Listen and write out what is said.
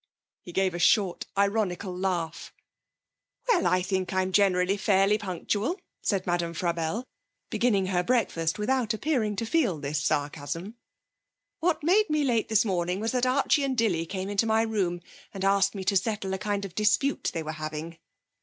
He gave a short, ironical laugh. 'Well, I think I'm generally fairly punctual,' said Madame Frabelle, beginning her breakfast without appearing to feel this sarcasm. 'What made me late this morning was that Archie and Dilly came into my room and asked me to settle a kind of dispute they were having.'